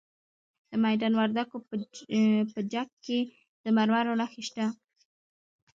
د میدان وردګو په چک کې د مرمرو نښې شته.